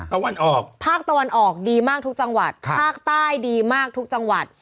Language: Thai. ตะวันออกภาคตะวันออกดีมากทุกจังหวัดภาคใต้ดีมากทุกจังหวัด